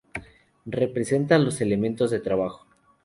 Representan los elementos de trabajo.